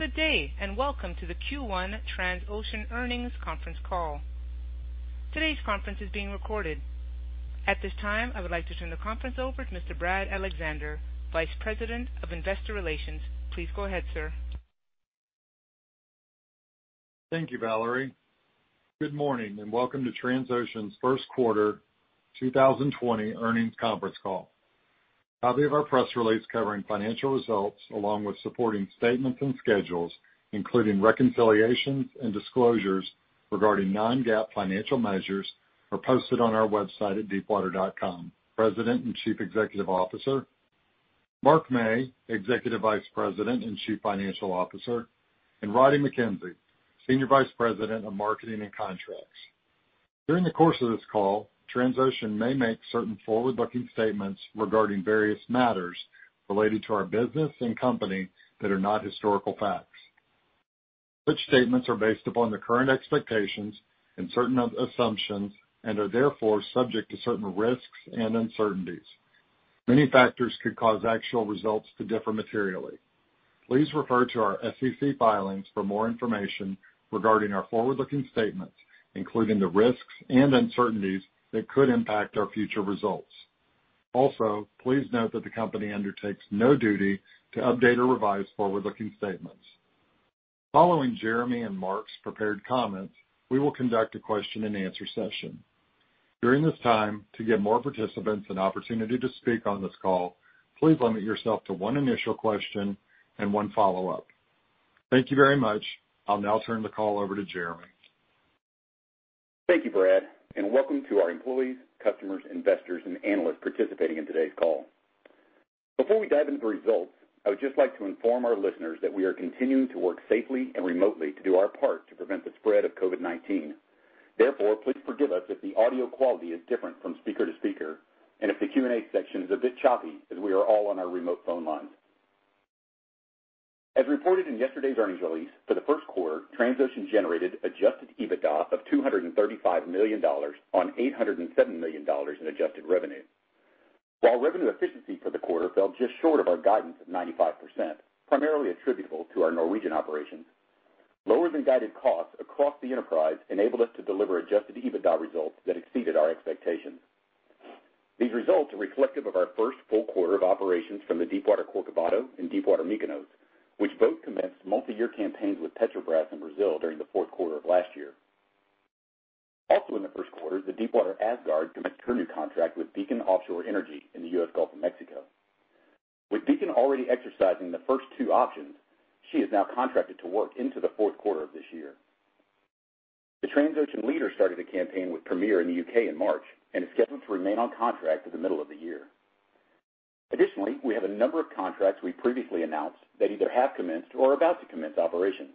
Good day, and welcome to the Q1 Transocean earnings conference call. Today's conference is being recorded. At this time, I would like to turn the conference over to Mr. Brad Alexander, Vice President of Investor Relations. Please go ahead, sir. Thank you, Valerie. Good morning and welcome to Transocean's first quarter 2020 earnings conference call. A copy of our press release covering financial results, along with supporting statements and schedules, including reconciliations and disclosures regarding non-GAAP financial measures, are posted on our website at deepwater.com. President and Chief Executive Officer, Mark Mey, Executive Vice President and Chief Financial Officer, and Roddie Mackenzie, Senior Vice President of Marketing and Contracts. During the course of this call, Transocean may make certain forward-looking statements regarding various matters related to our business and company that are not historical facts. Such statements are based upon the current expectations and certain assumptions and are therefore subject to certain risks and uncertainties. Many factors could cause actual results to differ materially. Please refer to our SEC filings for more information regarding our forward-looking statements, including the risks and uncertainties that could impact our future results. Also, please note that the company undertakes no duty to update or revise forward-looking statements. Following Jeremy and Mark's prepared comments, we will conduct a question-and-answer session. During this time, to give more participants an opportunity to speak on this call, please limit yourself to one initial question and one follow-up. Thank you very much. I'll now turn the call over to Jeremy. Thank you, Brad, and welcome to our employees, customers, investors, and analysts participating in today's call. Before we dive into the results, I would just like to inform our listeners that we are continuing to work safely and remotely to do our part to prevent the spread of COVID-19. Therefore, please forgive us if the audio quality is different from speaker to speaker and if the Q&A section is a bit choppy as we are all on our remote phone lines. As reported in yesterday's earnings release, for the first quarter, Transocean generated adjusted EBITDA of $235 million on $807 million in adjusted revenue. While revenue efficiency for the quarter fell just short of our guidance of 95%, primarily attributable to our Norwegian operations, lower-than-guided costs across the enterprise enabled us to deliver adjusted EBITDA results that exceeded our expectations. These results are reflective of our first full quarter of operations from the Deepwater Corcovado and Deepwater Mykonos, which both commenced multi-year campaigns with Petrobras in Brazil during the fourth quarter of last year. In the first quarter, the Deepwater Asgard commenced her new contract with Beacon Offshore Energy in the U.S. Gulf of Mexico. With Beacon already exercising the first two options, she is now contracted to work into the fourth quarter of this year. The Transocean Leader started a campaign with Premier in the U.K. in March and is scheduled to remain on contract to the middle of the year. Additionally, we have a number of contracts we previously announced that either have commenced or are about to commence operations.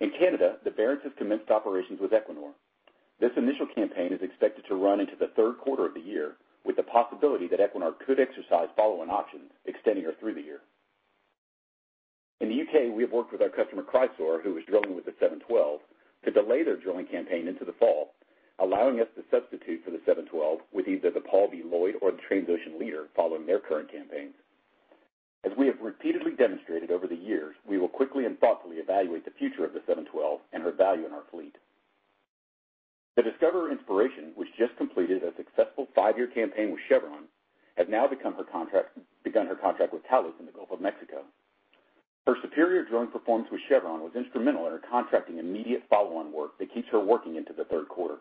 In Canada, the Barents has commenced operations with Equinor. This initial campaign is expected to run into the third quarter of the year with the possibility that Equinor could exercise follow-on options extending her through the year. In the U.K., we have worked with our customer, Chrysaor, who was drilling with the 712, to delay their drilling campaign into the fall, allowing us to substitute for the 712 with either the Paul B. Loyd or the Transocean Leader following their current campaigns. As we have repeatedly demonstrated over the years, we will quickly and thoughtfully evaluate the future of the 712 and her value in our fleet. The Discoverer Inspiration, which just completed a successful five-year campaign with Chevron, has now begun her contract with Talos in the Gulf of Mexico. Her superior drilling performance with Chevron was instrumental in her contracting immediate follow-on work that keeps her working into the third quarter.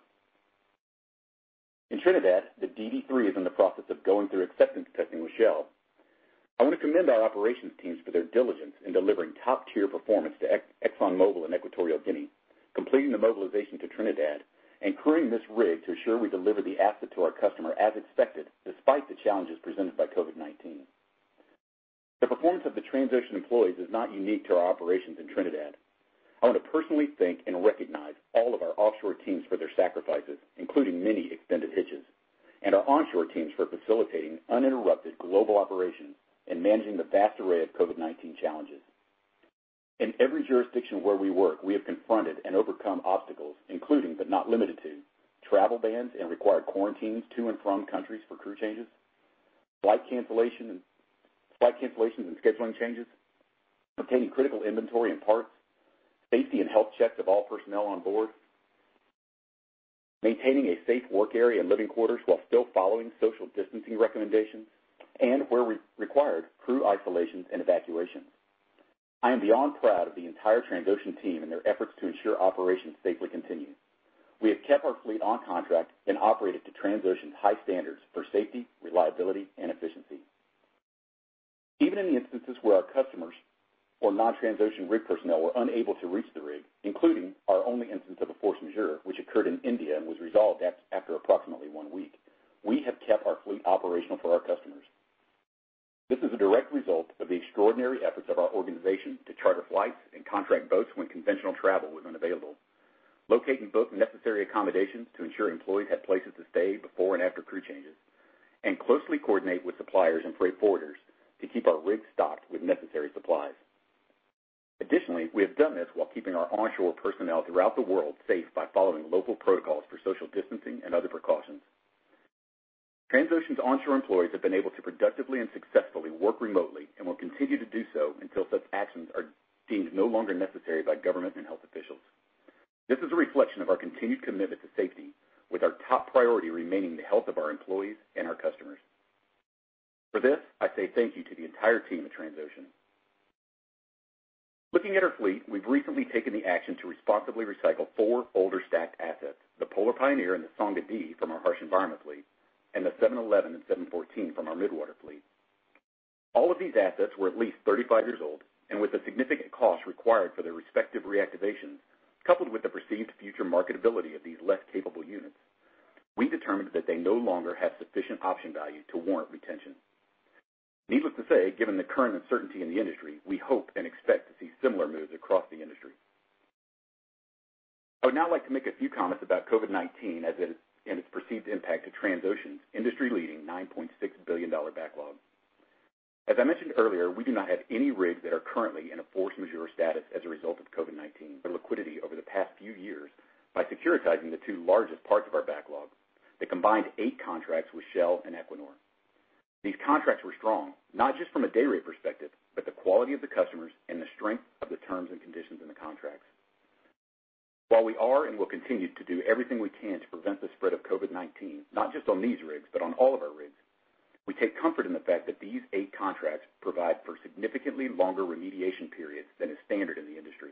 In Trinidad, the DD3 is in the process of going through acceptance testing with Shell. I want to commend our operations teams for their diligence in delivering top-tier performance to ExxonMobil in Equatorial Guinea, completing the mobilization to Trinidad, and crewing this rig to ensure we deliver the asset to our customer as expected despite the challenges presented by COVID-19. The performance of the Transocean employees is not unique to our operations in Trinidad. I want to personally thank and recognize all of our offshore teams for their sacrifices, including many extended hitches, and our onshore teams for facilitating uninterrupted global operations and managing the vast array of COVID-19 challenges. In every jurisdiction where we work, we have confronted and overcome obstacles, including but not limited to travel bans and required quarantines to and from countries for crew changes, flight cancellations and scheduling changes, obtaining critical inventory and parts, safety and health checks of all personnel on board, maintaining a safe work area and living quarters while still following social distancing recommendations, and where required, crew isolations and evacuations. I am beyond proud of the entire Transocean team and their efforts to ensure operations safely continue. We have kept our fleet on contract and operated to Transocean's high standards for safety, reliability, and efficiency. Even in the instances where our customers or non-Transocean rig personnel were unable to reach the rig, including our only instance of a force majeure, which occurred in India and was resolved after approximately one week, we have kept our fleet operational for our customers. This is a direct result of the extraordinary efforts of our organization to charter flights and contract boats when conventional travel was unavailable, locating both necessary accommodations to ensure employees had places to stay before and after crew changes, and closely coordinate with suppliers and freight forwarders to keep our rigs stocked with necessary supplies. Additionally, we have done this while keeping our onshore personnel throughout the world safe by following local protocols for social distancing and other precautions. Transocean's onshore employees have been able to productively and successfully work remotely and will continue to do so until such actions are deemed no longer necessary by government and health officials. This is a reflection of our continued commitment to safety, with our top priority remaining the health of our employees and our customers. For this, I say thank you to the entire team at Transocean. Looking at our fleet, we've recently taken the action to responsibly recycle four older stacked assets, the Polar Pioneer and the Songa Dee from our harsh environment fleet, and the 711 and 714 from our midwater fleet. All of these assets were at least 35 years old, and with the significant cost required for their respective reactivations, coupled with the perceived future marketability of these less capable units, we determined that they no longer have sufficient option value to warrant retention. Needless to say, given the current uncertainty in the industry, we hope and expect to see similar moves across the industry. I would now like to make a few comments about COVID-19 and its perceived impact to Transocean's industry-leading $9.6 billion backlog. As I mentioned earlier, we do not have any rigs that are currently in a force majeure status as a result of COVID-19. The liquidity over the past few years by securitizing the two largest parts of our backlog that combined eight contracts with Shell and Equinor. These contracts were strong, not just from a day rate perspective, but the quality of the customers and the strength of the terms and conditions in the contracts. While we are and will continue to do everything we can to prevent the spread of COVID-19, not just on these rigs, but on all of our rigs, we take comfort in the fact that these eight contracts provide for significantly longer remediation periods than is standard in the industry.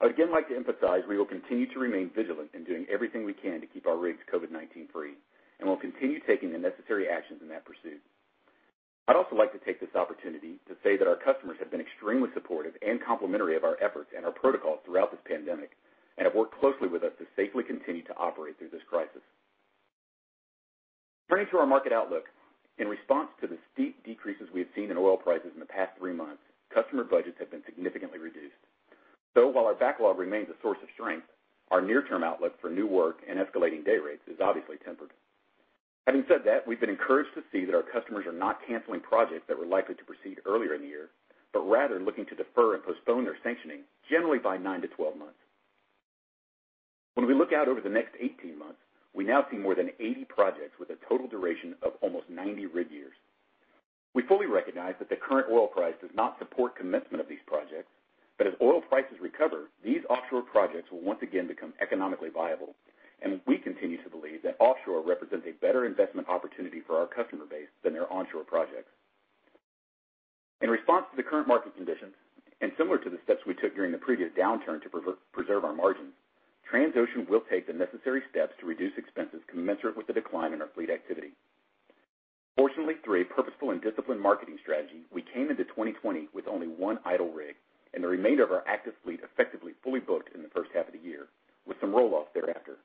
I would again like to emphasize we will continue to remain vigilant in doing everything we can to keep our rigs COVID-19-free, and will continue taking the necessary actions in that pursuit. I'd also like to take this opportunity to say that our customers have been extremely supportive and complimentary of our efforts and our protocols throughout this pandemic and have worked closely with us to safely continue to operate through this crisis. Turning to our market outlook, in response to the steep decreases we have seen in oil prices in the past three months, customer budgets have been significantly reduced. While our backlog remains a source of strength, our near-term outlook for new work and escalating day rates is obviously tempered. Having said that, we've been encouraged to see that our customers are not canceling projects that were likely to proceed earlier in the year, but rather looking to defer and postpone their sanctioning, generally by 9-12 months. When we look out over the next 18 months, we now see more than 80 projects with a total duration of almost 90 rig years. We fully recognize that the current oil price does not support commencement of these projects, but as oil prices recover, these offshore projects will once again become economically viable, and we continue to believe that offshore represents a better investment opportunity for our customer base than their onshore projects. In response to the current market conditions, and similar to the steps we took during the previous downturn to preserve our margins, Transocean will take the necessary steps to reduce expenses commensurate with the decline in our fleet activity. Fortunately, through a purposeful and disciplined marketing strategy, we came into 2020 with only one idle rig and the remainder of our active fleet effectively fully booked in the first half of the year, with some roll-offs thereafter.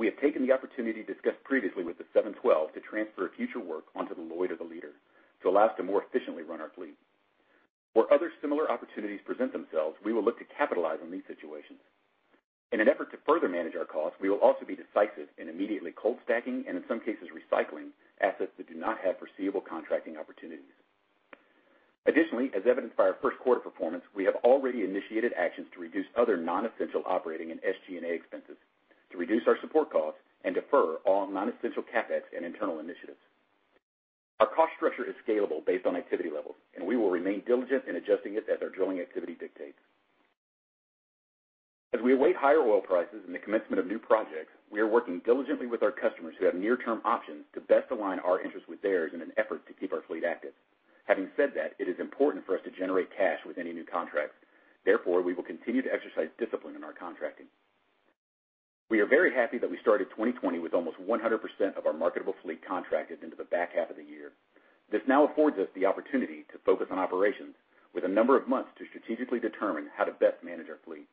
We have taken the opportunity discussed previously with the Transocean 712 to transfer future work onto the Loyd, or the Transocean Leader to allow us to more efficiently run our fleet. Where other similar opportunities present themselves, we will look to capitalize on these situations. In an effort to further manage our costs, we will also be decisive in immediately cold stacking and in some cases, recycling assets that do not have foreseeable contracting opportunities. Additionally, as evidenced by our first quarter performance, we have already initiated actions to reduce other non-essential operating and SG&A expenses to reduce our support costs and defer all non-essential CapEx and internal initiatives. Our cost structure is scalable based on activity levels, and we will remain diligent in adjusting it as our drilling activity dictates. As we await higher oil prices and the commencement of new projects, we are working diligently with our customers who have near-term options to best align our interests with theirs in an effort to keep our fleet active. Having said that, it is important for us to generate cash with any new contract. Therefore, we will continue to exercise discipline in our contracting. We are very happy that we started 2020 with almost 100% of our marketable fleet contracted into the back half of the year. This now affords us the opportunity to focus on operations with a number of months to strategically determine how to best manage our fleet.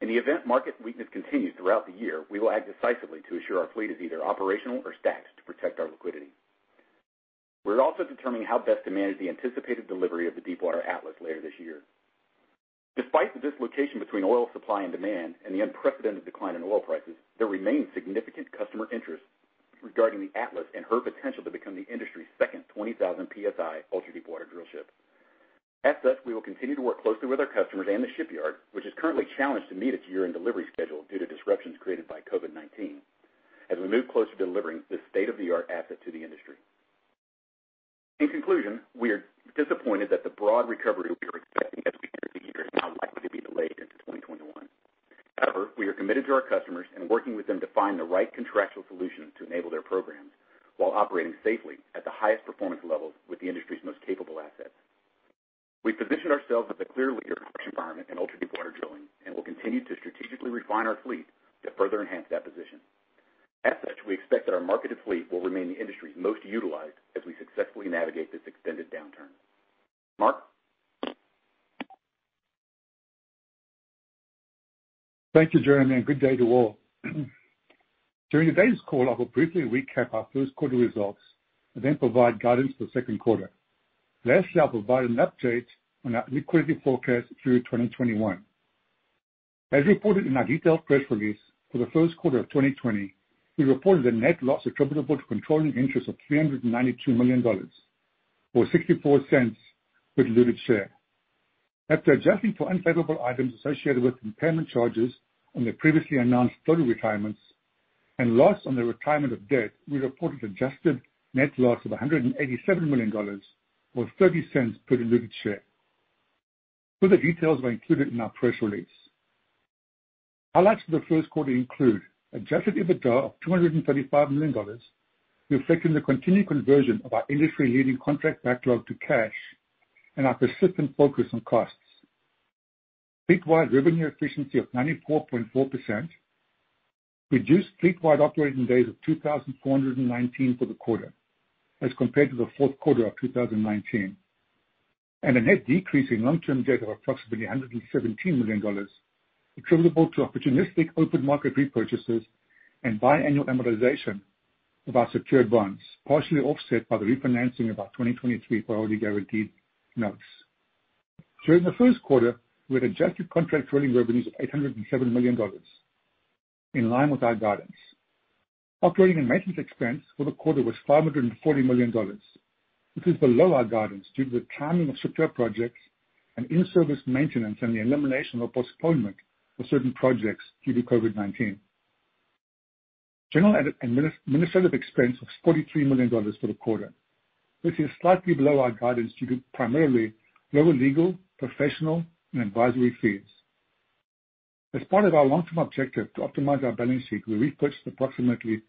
In the event market weakness continues throughout the year, we will act decisively to assure our fleet is either operational or stacked to protect our liquidity. We're also determining how best to manage the anticipated delivery of the Deepwater Atlas later this year. Despite the dislocation between oil supply and demand and the unprecedented decline in oil prices, there remains significant customer interest regarding the Atlas and her potential to become the industry's second 20,000 PSI ultra-deepwater drill ship. As such, we will continue to work closely with our customers and the shipyard, which is currently challenged to meet its year-end delivery schedule due to disruptions created by COVID-19, as we move closer to delivering this state-of-the-art asset to the industry. In conclusion, we are disappointed that the broad recovery we were expecting as we entered the year is now likely to be delayed into 2021. We are committed to our customers and working with them to find the right contractual solutions to enable their programs while operating safely at the highest performance levels with the industry's most capable assets. We've positioned ourselves as a clear leader in harsh environment and ultra-deepwater drilling and will continue to strategically refine our fleet to further enhance that position. We expect that our marketed fleet will remain the industry's most utilized as we successfully navigate this extended downturn. Mark? Thank you, Jeremy, and good day to all. During today's call, I will briefly recap our first quarter results and then provide guidance for the second quarter. Lastly, I'll provide an update on our liquidity forecast through 2021. As reported in our detailed press release for the first quarter of 2020, we reported a net loss attributable to controlling interest of $392 million or $0.64 per diluted share. After adjusting for unfavorable items associated with impairment charges on the previously announced total retirements and loss on the retirement of debt, we reported adjusted net loss of $187 million, or $0.30 per diluted share. Further details are included in our press release. Highlights for the first quarter include adjusted EBITDA of $235 million, reflecting the continued conversion of our industry-leading contract backlog to cash and our persistent focus on costs. Fleet-wide revenue efficiency of 94.4%, reduced fleet-wide operating days of 2,419 for the quarter as compared to the fourth quarter of 2019, and a net decrease in long-term debt of approximately $117 million, attributable to opportunistic open market repurchases and biannual amortization of our secured bonds, partially offset by the refinancing of our 2023 priority guaranteed notes. During the first quarter, we had adjusted contract drilling revenues of $807 million, in line with our guidance. Operating and maintenance expense for the quarter was $540 million. This is below our guidance due to the timing of shipyard projects and in-service maintenance, and the elimination or postponement of certain projects due to COVID-19. General and administrative expense was $43 million for the quarter, which is slightly below our guidance due to primarily lower legal, professional, and advisory fees. As part of our long-term objective to optimize our balance sheet, we repurchased approximately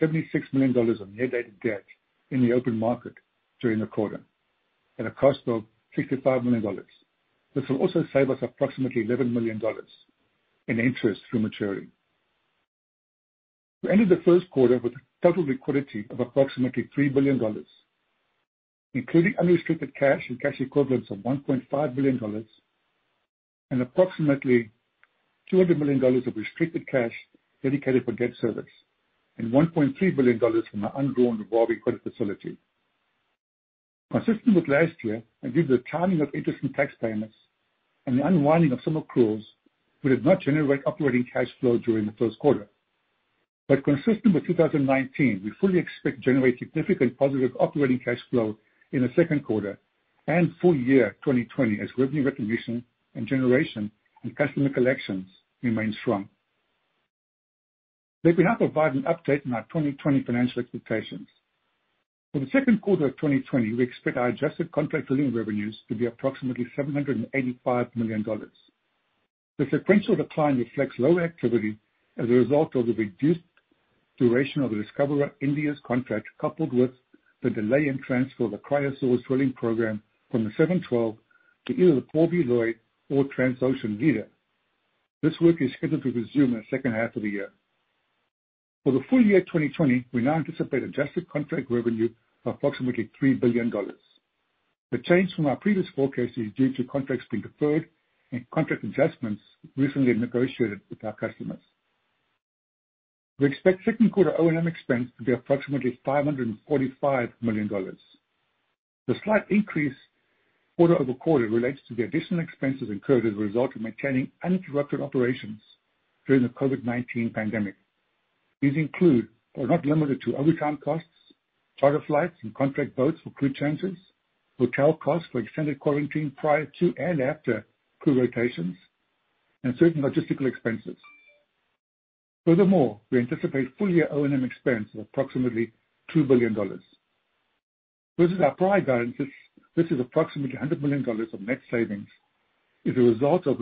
$76 million of near-dated debt in the open market during the quarter at a cost of $65 million. This will also save us approximately $11 million in interest through maturity. We ended the first quarter with a total liquidity of approximately $3 billion, including unrestricted cash and cash equivalents of $1.5 billion and approximately $200 million of restricted cash dedicated for debt service and $1.3 billion from our undrawn revolving credit facility. Consistent with last year, and due to the timing of interest and tax payments and the unwinding of some accruals, we did not generate operating cash flow during the first quarter. Consistent with 2019, we fully expect to generate significant positive operating cash flow in the second quarter and full year 2020 as revenue recognition and generation and customer collections remain strong. Let me now provide an update on our 2020 financial expectations. For the second quarter of 2020, we expect our adjusted contract drilling revenues to be approximately $785 million. The sequential decline reflects lower activity as a result of the reduced duration of the Discoverer India's contract, coupled with the delay in transfer of the Chrysaor drilling program from the 712 to either the Paul B. Loyd or Transocean Leader. This work is scheduled to resume in the second half of the year. For the full year 2020, we now anticipate adjusted contract revenue of approximately $3 billion. The change from our previous forecast is due to contracts being deferred and contract adjustments recently negotiated with our customers. We expect second quarter O&M expense to be approximately $545 million. The slight increase quarter-over-quarter relates to the additional expenses incurred as a result of maintaining uninterrupted operations during the COVID-19 pandemic. These include, but are not limited to, overtime costs, charter flights and contract boats for crew changes, hotel costs for extended quarantine prior to and after crew rotations, and certain logistical expenses. Furthermore, we anticipate full year O&M expense of approximately $2 billion. Versus our prior guidance, this is approximately $100 million of net savings as a result of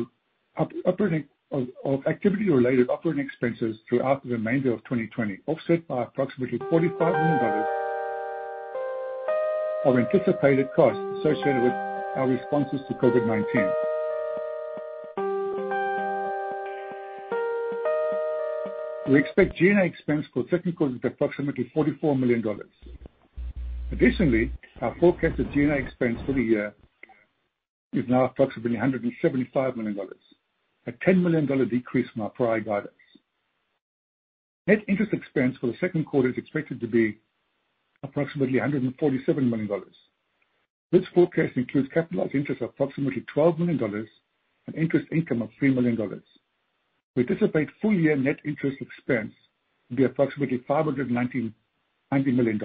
activity-related operating expenses throughout the remainder of 2020, offset by approximately $45 million of anticipated costs associated with our responses to COVID-19. We expect G&A expense for second quarter to be approximately $44 million. Additionally, our forecasted G&A expense for the year is now approximately $175 million, a $10 million decrease from our prior guidance. Net interest expense for the second quarter is expected to be approximately $147 million. This forecast includes capitalized interest of approximately $12 million and interest income of $3 million. We anticipate full-year net interest expense to be approximately $590 million,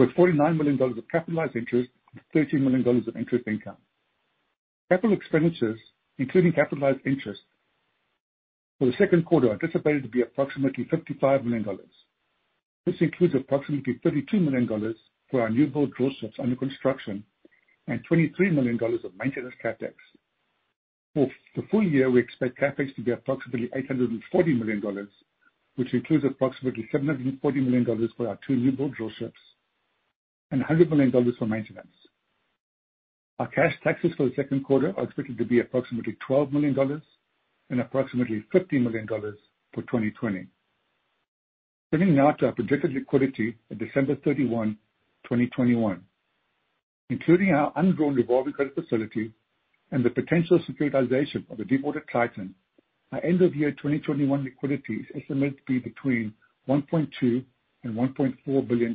with $49 million of capitalized interest and $13 million of interest income. Capital expenditures, including capitalized interest for the second quarter, are anticipated to be approximately $55 million. This includes approximately $32 million for our newbuild drill ships under construction and $23 million of maintenance CapEx. For the full year, we expect CapEx to be approximately $840 million, which includes approximately $740 million for our two newbuild drill ships and $100 million for maintenance. Our cash taxes for the second quarter are expected to be approximately $12 million and approximately $50 million for 2020. Turning now to our projected liquidity at December 31, 2021. Including our undrawn revolving credit facility and the potential securitization of the Deepwater Titan, our end of year 2021 liquidity is estimated to be between $1.2 billion and $1.4 billion.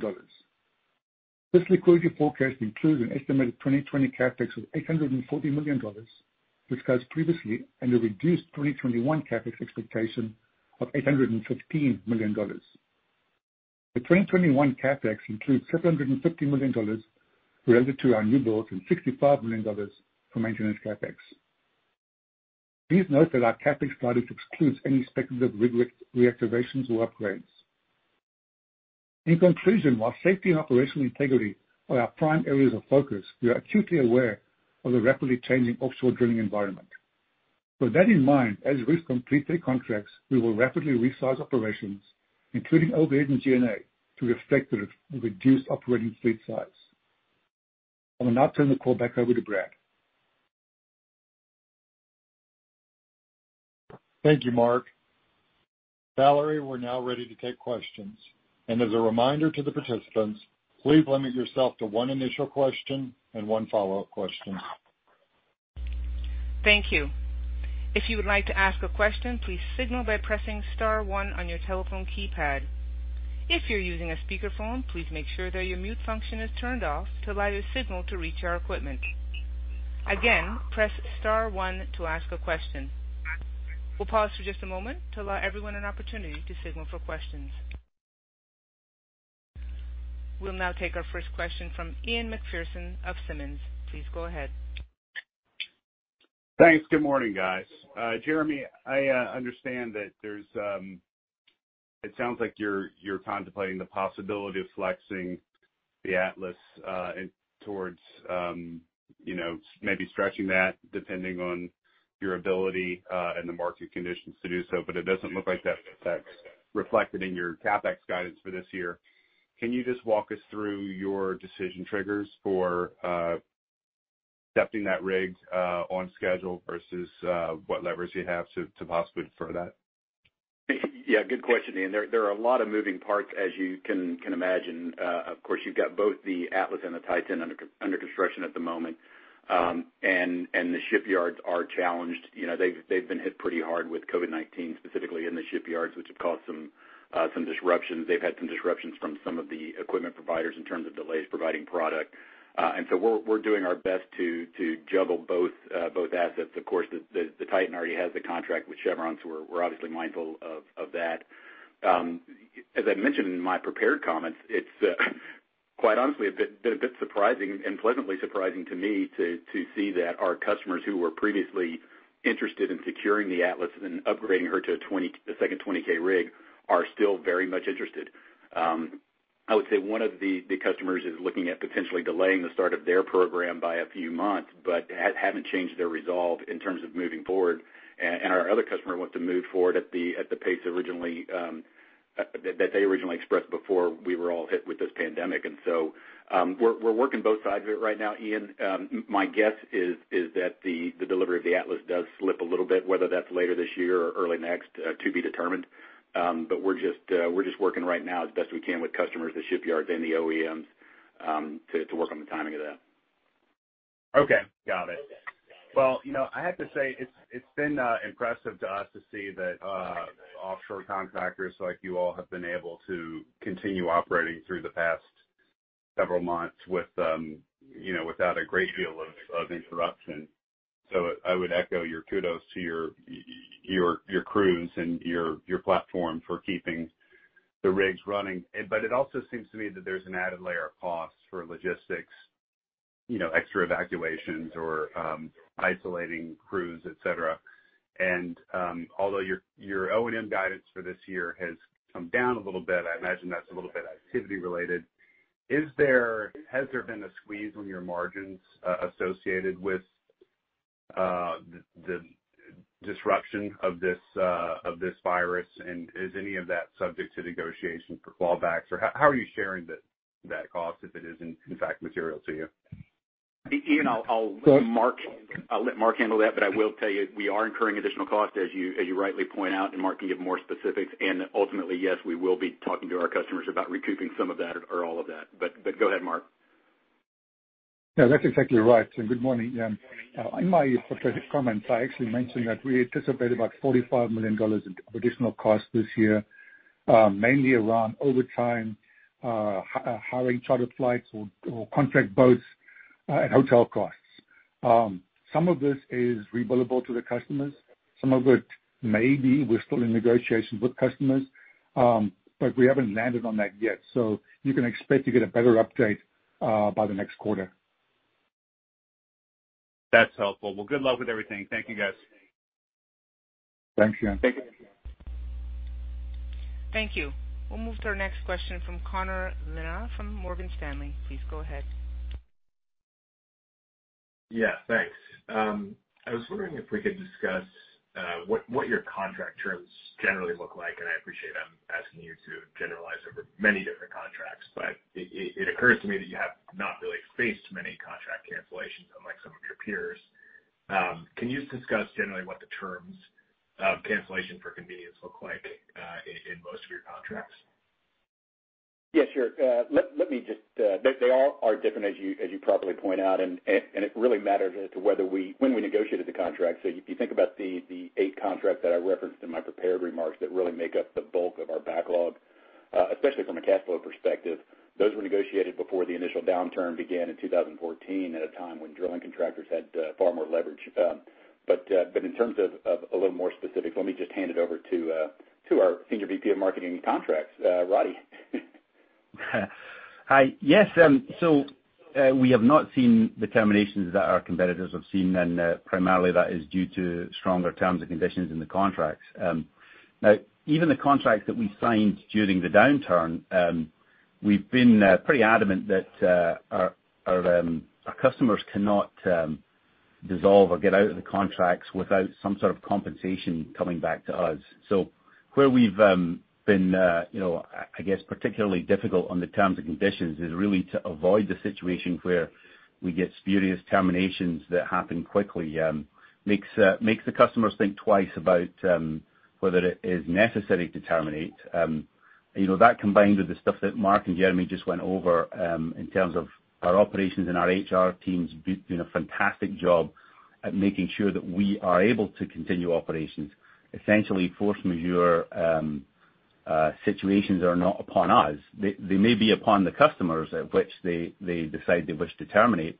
This liquidity forecast includes an estimated 2020 CapEx of $840 million, which guides previously under reduced 2021 CapEx expectation of $815 million. The 2021 CapEx includes $750 million related to our newbuild and $65 million from maintenance CapEx. Please note that our CapEx guidance excludes any speculative rig reactivations or upgrades. In conclusion, while safety and operational integrity are our prime areas of focus, we are acutely aware of the rapidly changing offshore drilling environment. With that in mind, as rigs complete their contracts, we will rapidly resize operations, including overhead and G&A, to reflect the reduced operating fleet size. I will now turn the call back over to Brad. Thank you, Mark. Valerie, we're now ready to take questions. As a reminder to the participants, please limit yourself to one initial question and one follow-up question. Thank you. If you would like to ask a question, please signal by pressing star one on your telephone keypad. If you're using a speakerphone, please make sure that your mute function is turned off to allow your signal to reach our equipment. Again, press star one to ask a question. We'll pause for just a moment to allow everyone an opportunity to signal for questions. We'll now take our first question from Ian Macpherson of Simmons. Please go ahead. Thanks. Good morning, guys. Jeremy, I understand that it sounds like you're contemplating the possibility of flexing the Atlas towards maybe stretching that depending on your ability and the market conditions to do so. It doesn't look like that's reflected in your CapEx guidance for this year. Can you just walk us through your decision triggers for stepping that rig on schedule versus what levers you have to possibly defer that? Yeah, good question, Ian. There are a lot of moving parts, as you can imagine. Of course, you've got both the Atlas and the Titan under construction at the moment. The shipyards are challenged. They've been hit pretty hard with COVID-19, specifically in the shipyards, which have caused some disruptions. They've had some disruptions from some of the equipment providers in terms of delays providing product. We're doing our best to juggle both assets. Of course, the Titan already has the contract with Chevron, so we're obviously mindful of that. As I mentioned in my prepared comments, it's quite honestly been a bit surprising, and pleasantly surprising to me, to see that our customers who were previously interested in securing the Atlas and upgrading her to a second 20,000 rig are still very much interested. I would say one of the customers is looking at potentially delaying the start of their program by a few months, haven't changed their resolve in terms of moving forward. Our other customer wants to move forward at the pace that they originally expressed before we were all hit with this pandemic. We're working both sides of it right now, Ian. My guess is that the delivery of the Atlas does slip a little bit, whether that's later this year or early next, to be determined. We're just working right now as best we can with customers, the shipyards, and the OEMs to work on the timing of that. Okay. Got it. I have to say, it's been impressive to us to see that offshore contractors like you all have been able to continue operating through the past several months without a great deal of interruption. I would echo your kudos to your crews and your platform for keeping the rigs running. It also seems to me that there's an added layer of cost for logistics, extra evacuations or isolating crews, et cetera. Although your O&M guidance for this year has come down a little bit, I imagine that's a little bit activity-related. Has there been a squeeze on your margins associated with the disruption of this virus, and is any of that subject to negotiation for clawbacks, or how are you sharing that cost if it is in fact material to you? Ian, I'll let Mark handle that, but I will tell you, we are incurring additional cost, as you rightly point out, and Mark can give more specifics. Ultimately, yes, we will be talking to our customers about recouping some of that or all of that. Go ahead, Mark. Yeah, that's exactly right. Good morning. In my prepared comments, I actually mentioned that we anticipate about $45 million in additional costs this year, mainly around overtime, hiring charter flights or contract boats, and hotel costs. Some of this is billable to the customers. Some of it may be. We're still in negotiations with customers, but we haven't landed on that yet. You can expect to get a better update by the next quarter. That's helpful. Good luck with everything. Thank you, guys. Thanks, Ian. Thank you. Thank you. We'll move to our next question from Connor Lynagh, from Morgan Stanley. Please go ahead. Yeah. Thanks. I was wondering if we could discuss what your contract terms generally look like. I appreciate I'm asking you to generalize over many different contracts, but it occurs to me that you have not really faced many contract cancellations unlike some of your peers. Can you discuss generally what the terms of cancellation for convenience look like in most of your contracts? Yeah, sure. They all are different, as you properly point out, and it really matters as to when we negotiated the contract. If you think about the eight contracts that I referenced in my prepared remarks that really make up the bulk of our backlog. Especially from a cash flow perspective, those were negotiated before the initial downturn began in 2014, at a time when drilling contractors had far more leverage. In terms of a little more specifics, let me just hand it over to our Senior VP of Marketing and Contracts, Roddie. Hi. Yes. We have not seen the terminations that our competitors have seen, and primarily that is due to stronger terms and conditions in the contracts. Now, even the contracts that we signed during the downturn, we've been pretty adamant that our customers cannot dissolve or get out of the contracts without some sort of compensation coming back to us. Where we've been, I guess, particularly difficult on the terms and conditions is really to avoid the situations where we get spurious terminations that happen quickly. Makes the customers think twice about whether it is necessary to terminate. That combined with the stuff that Mark and Jeremy just went over, in terms of our operations and our HR teams doing a fantastic job at making sure that we are able to continue operations, essentially force majeure situations are not upon us. They may be upon the customers at which they decide they wish to terminate.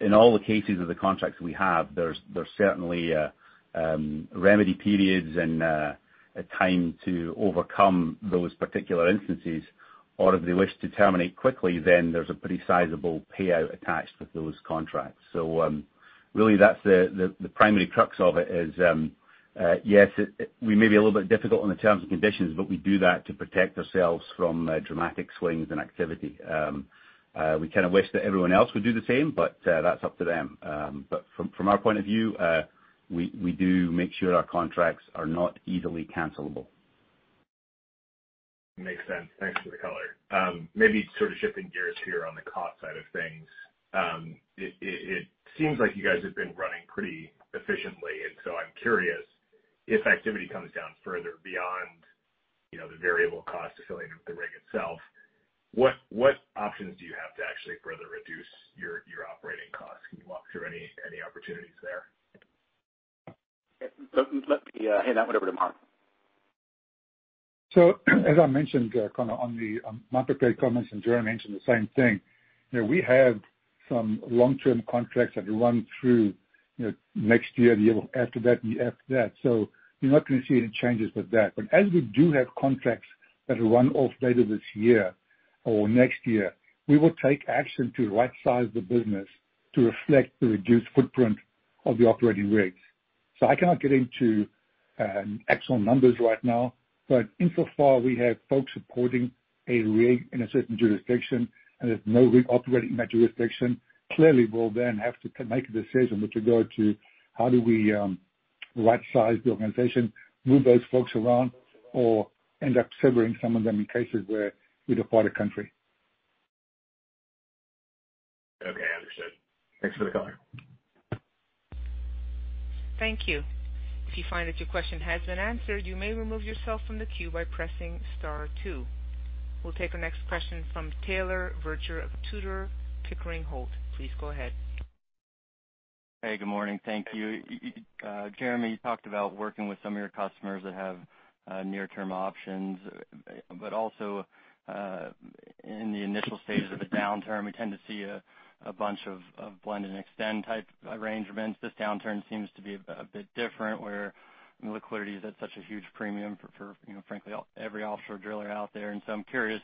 In all the cases of the contracts we have, there's certainly remedy periods and time to overcome those particular instances. If they wish to terminate quickly, there's a pretty sizable payout attached with those contracts. Really that's the primary crux of it is, yes, we may be a little bit difficult on the terms and conditions, we do that to protect ourselves from dramatic swings in activity. We kind of wish that everyone else would do the same, that's up to them. From our point of view, we do make sure our contracts are not easily cancelable. Makes sense. Thanks for the color. Maybe sort of shifting gears here on the cost side of things. It seems like you guys have been running pretty efficiently. I'm curious if activity comes down further beyond the variable cost affiliated with the rig itself, what options do you have to actually further reduce your operating costs? Can you walk through any opportunities there? Let me hand that one over to Mark. As I mentioned, Connor, on the monthly comments, and Jeremy mentioned the same thing, we have some long-term contracts that run through next year, the year after that, and the year after that. You're not going to see any changes with that. As we do have contracts that will run off later this year or next year, we will take action to rightsize the business to reflect the reduced footprint of the operating rigs. I cannot get into actual numbers right now, but insofar we have folks supporting a rig in a certain jurisdiction and there's no rig operating in that jurisdiction, clearly we'll then have to make a decision with regard to how do we rightsize the organization, move those folks around, or end up severing some of them in cases where we depart a country. Okay, understood. Thanks for the color. Thank you. If you find that your question has been answered, you may remove yourself from the queue by pressing star two. We'll take our next question from Taylor Zurcher of Tudor, Pickering, Holt. Please go ahead. Hey, good morning. Thank you. Jeremy, you talked about working with some of your customers that have near-term options, but also, in the initial stages of a downturn, we tend to see a bunch of blend-and-extend type arrangements. This downturn seems to be a bit different, where liquidity is at such a huge premium for frankly, every offshore driller out there. I'm curious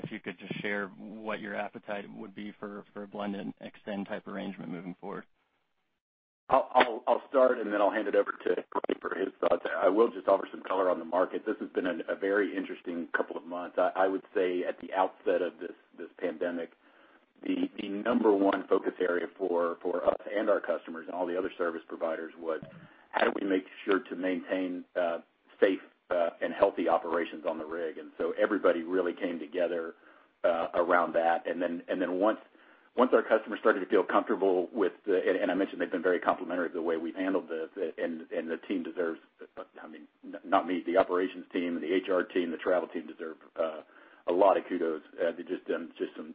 if you could just share what your appetite would be for a blend-and-extend type arrangement moving forward. I'll start, then I'll hand it over to Roddie for his thoughts. I will just offer some color on the market. This has been a very interesting couple of months. I would say at the outset of this pandemic, the number one focus area for us and our customers and all the other service providers was how do we make sure to maintain safe and healthy operations on the rig? Everybody really came together around that. Once our customers started to feel comfortable, I mentioned they've been very complimentary of the way we've handled this, the team deserves, not me, the operations team, the HR team, the travel team deserve a lot of kudos. They've just done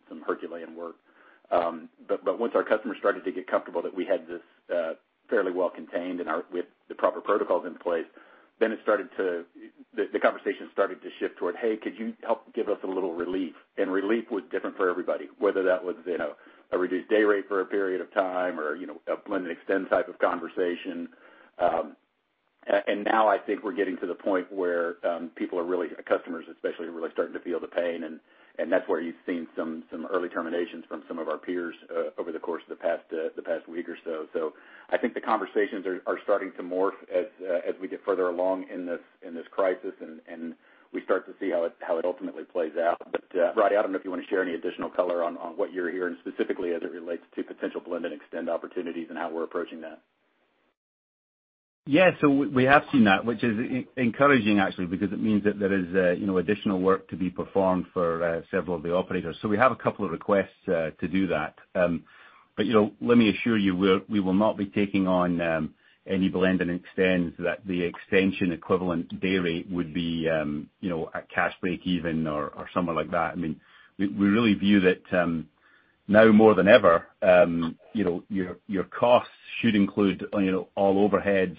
some Herculean work. Once our customers started to get comfortable that we had this fairly well contained and with the proper protocols in place, then the conversation started to shift toward, "Hey, could you help give us a little relief?" Relief was different for everybody, whether that was a reduced day rate for a period of time or a blend-and-extend type of conversation. Now I think we're getting to the point where people are really, customers especially, are really starting to feel the pain, and that's where you've seen some early terminations from some of our peers over the course of the past week or so. I think the conversations are starting to morph as we get further along in this crisis, and we start to see how it ultimately plays out. Roddie, I don't know if you want to share any additional color on what you're hearing specifically as it relates to potential blend-and-extend opportunities and how we're approaching that. We have seen that, which is encouraging actually, because it means that there is additional work to be performed for several of the operators. We have a couple of requests to do that. Let me assure you, we will not be taking on any blend-and-extends that the extension equivalent day rate would be a cash breakeven or somewhere like that. We really view that. Now more than ever, your costs should include all overheads,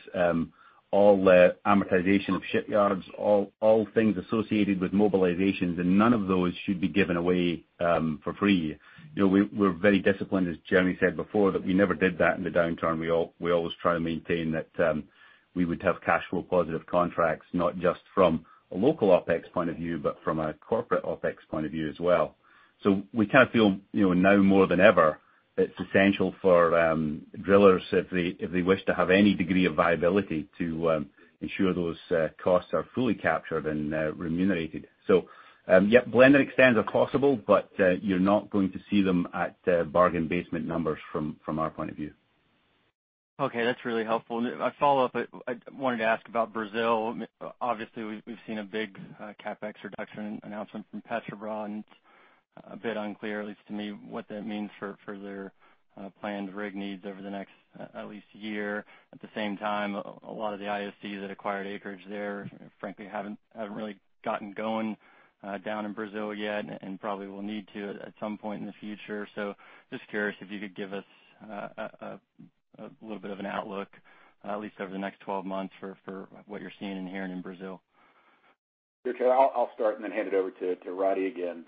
all amortization of shipyards, all things associated with mobilizations, and none of those should be given away for free. We're very disciplined, as Jeremy said before, that we never did that in the downturn. We always try to maintain that we would have cash flow positive contracts, not just from a local OpEx point of view, but from a corporate OpEx point of view as well. We feel now more than ever, it's essential for drillers, if they wish to have any degree of viability, to ensure those costs are fully captured and remunerated. Yeah, blend-and-extend are possible, but you're not going to see them at bargain basement numbers from our point of view. Okay, that's really helpful. A follow-up, I wanted to ask about Brazil. Obviously, we've seen a big CapEx reduction announcement from Petrobras, and it's a bit unclear, at least to me, what that means for their planned rig needs over the next at least year. At the same time, a lot of the IOCs that acquired acreage there, frankly, haven't really gotten going down in Brazil yet and probably will need to at some point in the future. Just curious if you could give us a little bit of an outlook, at least over the next 12 months, for what you're seeing and hearing in Brazil. Sure, Taylor, I'll start and then hand it over to Roddie again.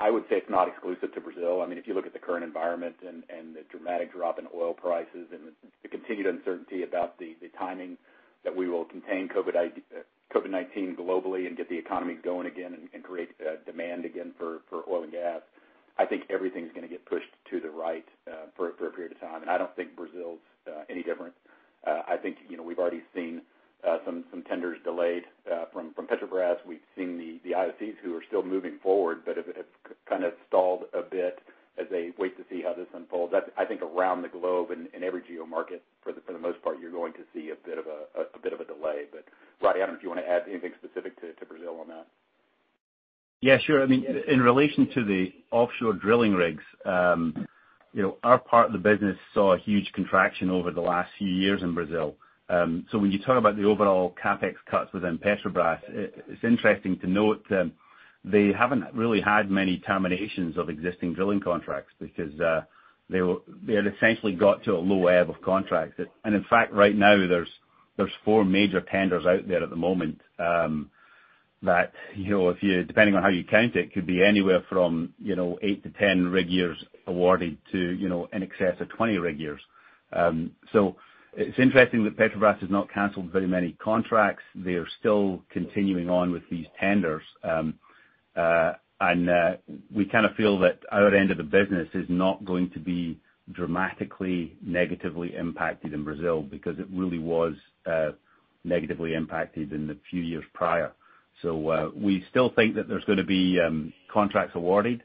I would say it's not exclusive to Brazil. If you look at the current environment and the dramatic drop in oil prices and the continued uncertainty about the timing that we will contain COVID-19 globally and get the economy going again and create demand again for oil and gas, I think everything's going to get pushed to the right for a period of time. I don't think Brazil is any different. I think we've already seen some tenders delayed from Petrobras. We've seen the IOCs who are still moving forward, have kind of stalled a bit as they wait to see how this unfolds. I think around the globe, in every geo market, for the most part, you're going to see a bit of a delay. Roddie, I don't know if you want to add anything specific to Brazil on that. Yeah, sure. In relation to the offshore drilling rigs, our part of the business saw a huge contraction over the last few years in Brazil. When you talk about the overall CapEx cuts within Petrobras, it's interesting to note they haven't really had many terminations of existing drilling contracts because they had essentially got to a low ebb of contracts. In fact, right now, there's four major tenders out there at the moment that, depending on how you count it, could be anywhere from 8-10 rig years awarded to in excess of 20 rig years. It's interesting that Petrobras has not canceled very many contracts. They are still continuing on with these tenders. We kind of feel that our end of the business is not going to be dramatically negatively impacted in Brazil because it really was negatively impacted in the few years prior. We still think that there's going to be contracts awarded.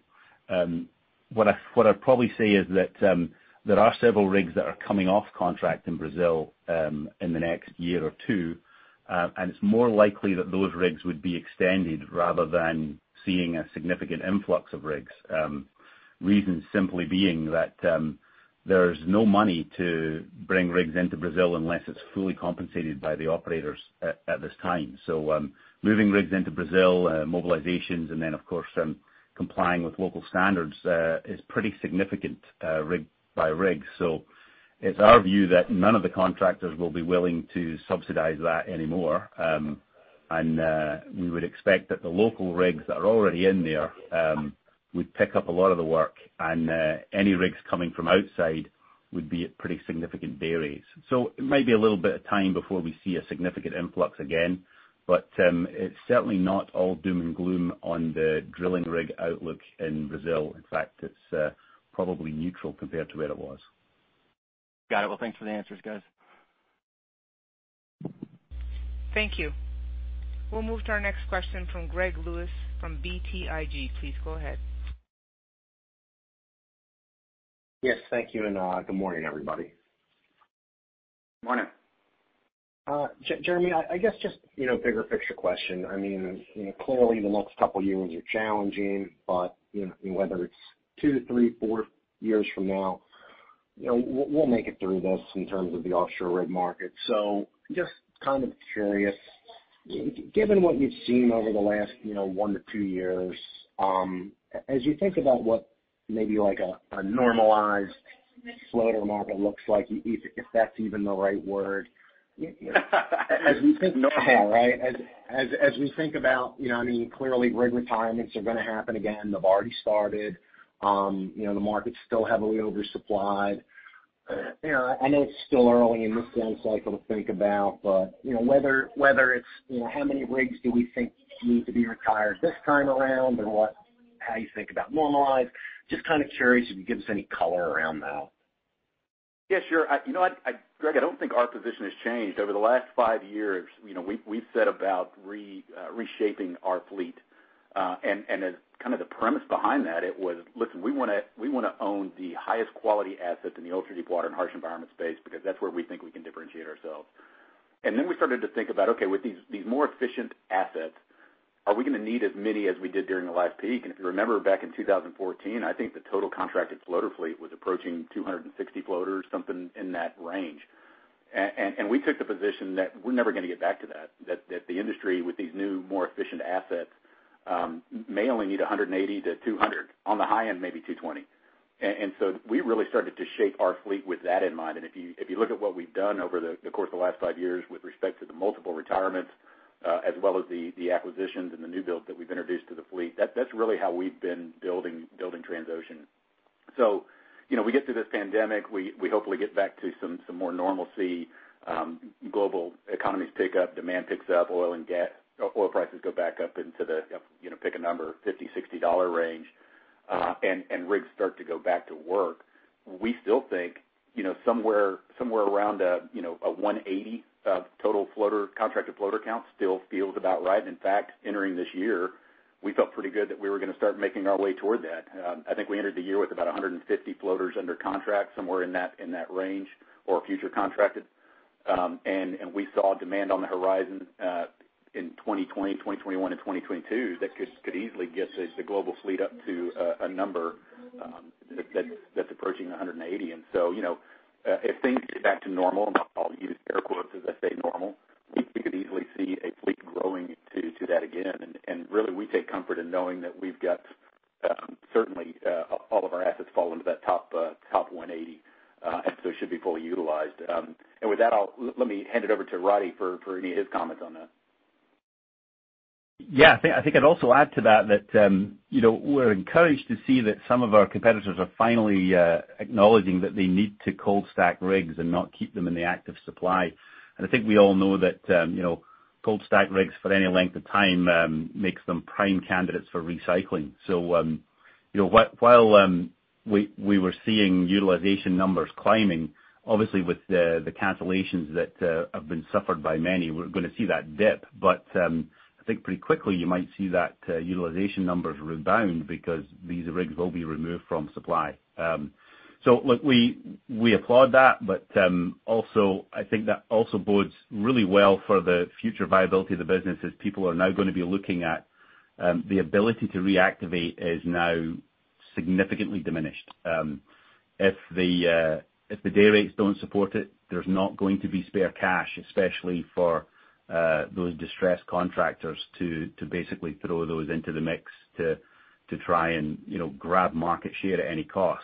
What I'd probably say is that there are several rigs that are coming off contract in Brazil in the next year or two, and it's more likely that those rigs would be extended rather than seeing a significant influx of rigs. Reason simply being that there's no money to bring rigs into Brazil unless it's fully compensated by the operators at this time. Moving rigs into Brazil, mobilizations, and then, of course, complying with local standards is pretty significant rig by rig. It's our view that none of the contractors will be willing to subsidize that anymore. We would expect that the local rigs that are already in there would pick up a lot of the work, and any rigs coming from outside would be at pretty significant day rates. It may be a little bit of time before we see a significant influx again, but it's certainly not all doom and gloom on the drilling rig outlook in Brazil. In fact, it's probably neutral compared to where it was. Got it. Well, thanks for the answers, guys. Thank you. We'll move to our next question from Greg Lewis from BTIG. Please go ahead. Yes, thank you. Good morning, everybody. Morning. Jeremy, I guess just bigger picture question. Clearly the next couple years are challenging, but whether it's two to three, four years from now, we'll make it through this in terms of the offshore rig market. Just kind of curious, given what you've seen over the last one to two years, as you think about what maybe a normalized floater market looks like, if that's even the right word. As we think about, clearly rig retirements are going to happen again. They've already started. The market's still heavily oversupplied. I know it's still early in this down cycle to think about, whether it's how many rigs do we think need to be retired this time around, or how you think about normalized, just kind of curious if you can give us any color around that. Yeah, sure. Greg, I don't think our position has changed. Over the last five years, we've set about reshaping our fleet. As kind of the premise behind that, it was, look, we want to own the highest quality assets in the ultra-deepwater and harsh environment space because that's where we think we can differentiate ourselves. Then we started to think about, okay, with these more efficient assets, are we going to need as many as we did during the last peak? If you remember back in 2014, I think the total contracted floater fleet was approaching 260 floaters, something in that range. We took the position that we're never going to get back to that. That the industry with these new, more efficient assets may only need 180-200. On the high end, maybe 220. We really started to shape our fleet with that in mind. If you look at what we've done over the course of the last five years with respect to the multiple retirements as well as the acquisitions and the new builds that we've introduced to the fleet, that's really how we've been building Transocean. We get through this pandemic, we hopefully get back to some more normalcy, global economies pick up, demand picks up, oil and gas, oil prices go back up into the, pick a number, $50, $60 range, and rigs start to go back to work. We still think, somewhere around a 180 of total contracted floater count still feels about right. In fact, entering this year, we felt pretty good that we were going to start making our way toward that. I think we entered the year with about 150 floaters under contract, somewhere in that range, or future contracted. We saw demand on the horizon, in 2020, 2021, and 2022 that could easily get the global fleet up to a number that's approaching 180. If things get back to normal, and I'll use air quotes as I say normal, we could easily see a fleet growing to that again. We take comfort in knowing that we've got certainly, all of our assets fall into that top 180, and so should be fully utilized. With that, let me hand it over to Roddie for any of his comments on that. Yeah, I think I'd also add to that, we're encouraged to see that some of our competitors are finally acknowledging that they need to cold stack rigs and not keep them in the active supply. I think we all know that cold stacked rigs for any length of time makes them prime candidates for recycling. While we were seeing utilization numbers climbing, obviously with the cancellations that have been suffered by many, we're going to see that dip. I think pretty quickly you might see that utilization numbers rebound because these rigs will be removed from supply. Look, we applaud that, I think that also bodes really well for the future viability of the business, as people are now going to be looking at the ability to reactivate is now significantly diminished. If the day rates don't support it, there's not going to be spare cash, especially for those distressed contractors to basically throw those into the mix to try and grab market share at any cost.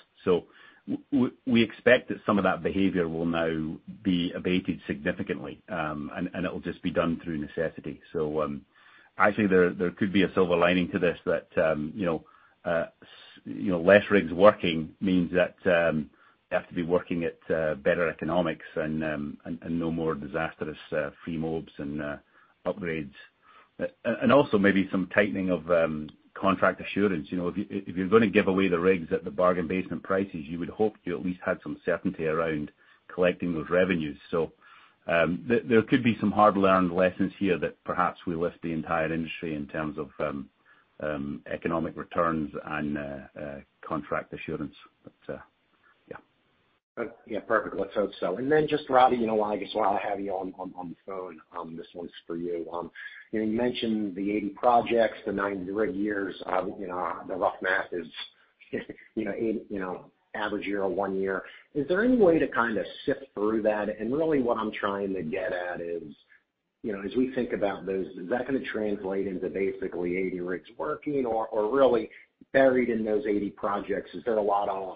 We expect that some of that behavior will now be abated significantly, and it'll just be done through necessity. Actually, there could be a silver lining to this that less rigs working means that they have to be working at better economics and no more disastrous free mobilizations and upgrades. Also maybe some tightening of contract assurance. If you're going to give away the rigs at the bargain basement prices, you would hope you at least had some certainty around collecting those revenues. There could be some hard-learned lessons here that perhaps will lift the entire industry in terms of economic returns and contract assurance. Yeah, perfect. Let's hope so. Then just Roddie, while I have you on the phone, this one's for you. You mentioned the 80 projects, the 90 rig years. The rough math is average year, one year. Is there any way to kind of sift through that? Really what I'm trying to get at is, as we think about those, is that going to translate into basically 80 rigs working or really buried in those 80 projects? Is there a lot of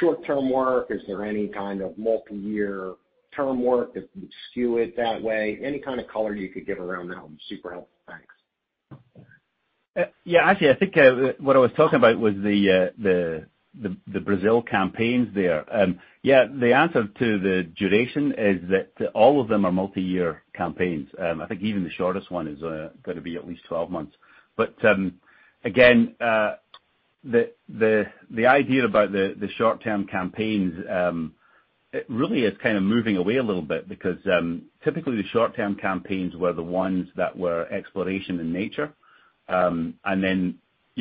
short-term work? Is there any kind of multi-year term work that would skew it that way? Any kind of color you could give around that would be super helpful. Thanks. Yeah. Actually, I think what I was talking about was the Brazil campaigns there. Yeah, the answer to the duration is that all of them are multi-year campaigns. I think even the shortest one is going to be at least 12 months. Again, the idea about the short-term campaigns, it really is kind of moving away a little bit because, typically, the short-term campaigns were the ones that were exploration in nature.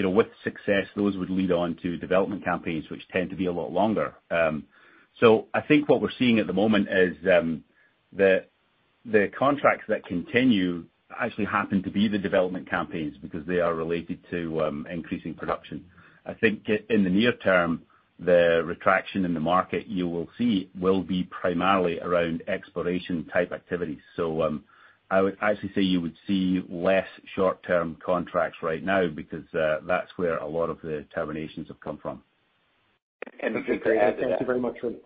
With success, those would lead on to development campaigns, which tend to be a lot longer. I think what we're seeing at the moment is the contracts that continue actually happen to be the development campaigns because they are related to increasing production. I think in the near term, the retraction in the market you will see will be primarily around exploration type activities. I would actually say you would see less short-term contracts right now because that's where a lot of the terminations have come from. Just to add to that. Thank you very much, Roddie.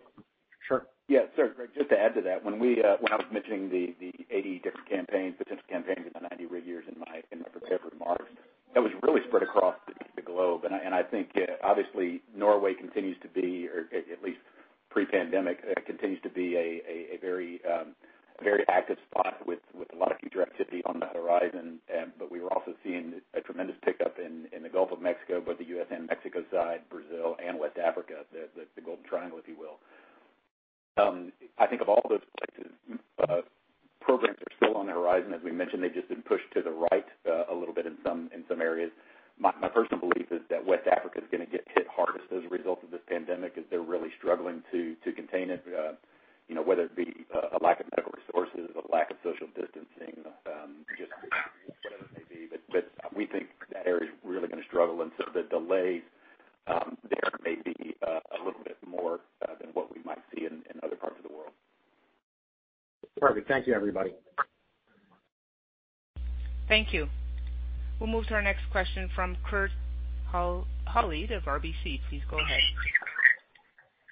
Sure. Yeah, sorry, Greg, just to add to that, when I was mentioning the 80 different potential campaigns and the 90 rig years in my prepared remarks, that was really spread across the globe. I think, obviously, Norway continues to be, or at least pre-pandemic, continues to be a very active spot with a lot of future activity on the horizon. We were also seeing a tremendous pickup in the Gulf of Mexico, both the U.S. and Mexico side, Brazil, and West Africa, the Golden Triangle, if you will. I think of all those places, programs are still on the horizon, as we mentioned. They've just been pushed to the right a little bit in some areas. My personal belief is that West Africa is going to get hit hardest as a result of this pandemic as they're really struggling to contain it. Whether it be a lack of medical resources, a lack of social distancing, we think that area is really going to struggle, the delay there may be a little bit more than what we might see in other parts of the world. Perfect. Thank you, everybody. Thank you. We'll move to our next question from Kurt Hallead of RBC. Please go ahead.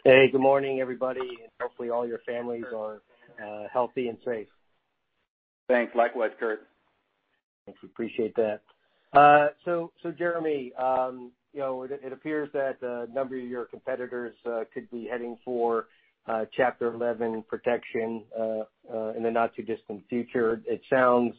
Hey, good morning, everybody, and hopefully all your families are healthy and safe. Thanks. Likewise, Kurt. Thank you. Appreciate that. Jeremy, it appears that a number of your competitors could be heading for Chapter 11 protection in the not-too-distant future. It sounds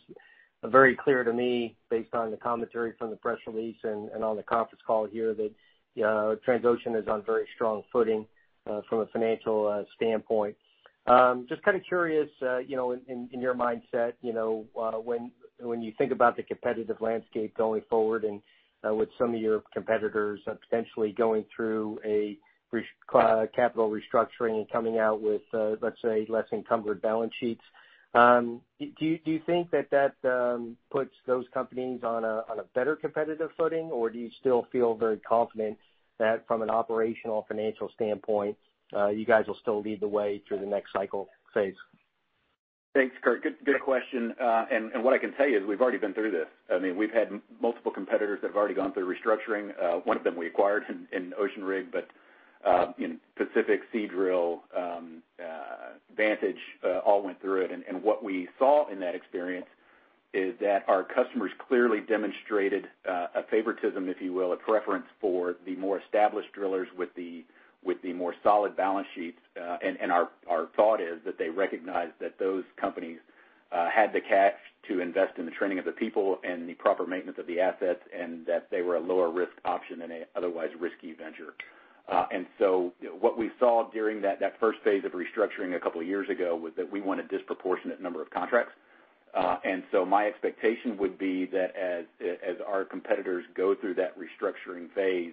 very clear to me, based on the commentary from the press release and on the conference call here, that Transocean is on very strong footing from a financial standpoint. Just kind of curious, in your mindset, when you think about the competitive landscape going forward and with some of your competitors potentially going through a capital restructuring and coming out with, let's say, less encumbered balance sheets, do you think that that puts those companies on a better competitive footing? Or do you still feel very confident that from an operational financial standpoint, you guys will still lead the way through the next cycle phase? Thanks, Kurt. Good question. What I can tell you is we've already been through this. I mean, we've had multiple competitors that have already gone through restructuring. One of them we acquired in Ocean Rig, Pacific, Seadrill, Vantage, all went through it. What we saw in that experience is that our customers clearly demonstrated a favoritism, if you will, a preference for the more established drillers with the more solid balance sheets. Our thought is that they recognized that those companies had the cash to invest in the training of the people and the proper maintenance of the assets, and that they were a lower-risk option in an otherwise risky venture. What we saw during that first phase of restructuring a couple of years ago was that we won a disproportionate number of contracts. My expectation would be that as our competitors go through that restructuring phase,